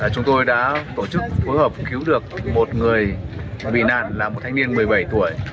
chúng tôi đã tổ chức phối hợp cứu được một người bị nạn là một thanh niên một mươi bảy tuổi